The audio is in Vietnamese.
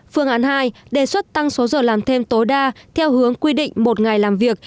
phương án hai đề xuất tăng số giờ làm thêm tối đa theo hướng quy định một ngày làm việc